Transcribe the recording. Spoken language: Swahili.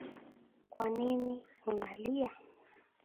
kwanini unalia?